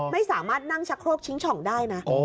ไม่สามารถนั่งชักโครกชิงช่องได้นะ